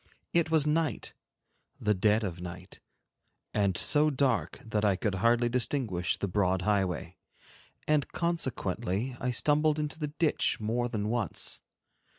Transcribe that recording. It was night, the dead of night, and so dark that I could hardly distinguish the broad highway, and consequently I stumbled into the ditch more than once.